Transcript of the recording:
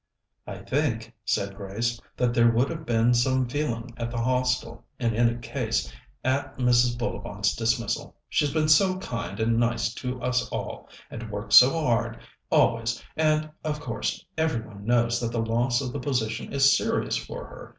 "I think," said Grace, "that there would have been some feeling at the Hostel, in any case, at Mrs. Bullivant's dismissal. She's been so kind and nice to us all, and worked so hard always, and, of course, every one knows that the loss of the position is serious for her.